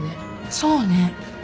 そうね